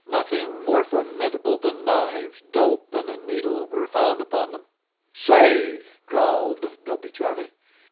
Nothing more formidable than knives, dope, and a needle were found upon them. "Say," drawled Dopey Charlie.